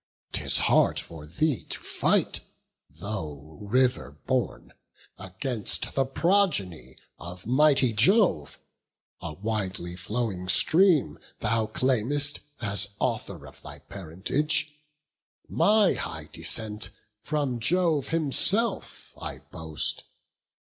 'tis hard for thee to fight, Though river born, against the progeny Of mighty Jove; a widely flowing stream Thou claim'st as author of thy parentage; My high descent from Jove himself I boast.